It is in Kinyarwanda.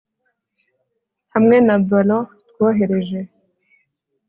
hamwe na ballon twohereje